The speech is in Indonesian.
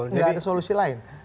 tidak ada solusi lain